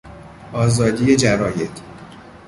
آزادی جراید